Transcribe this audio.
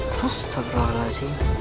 terus terlalu banyak sih